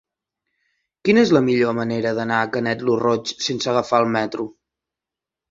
Quina és la millor manera d'anar a Canet lo Roig sense agafar el metro?